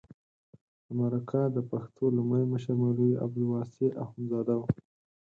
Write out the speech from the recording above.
د مرکه د پښتو لومړی مشر مولوي عبدالواسع اخندزاده و.